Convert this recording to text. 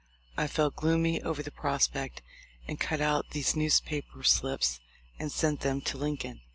I felt gloomy over the prospect, and cut out these newspaper slips and sent them to Lincoln.